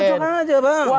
cocok aja bang